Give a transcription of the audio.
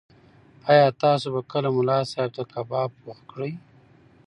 ایا تاسو به کله ملا صاحب ته کباب پوخ کړئ؟